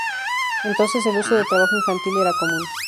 Entonces el uso de trabajo infantil era común.